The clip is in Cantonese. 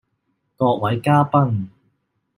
各位嘉賓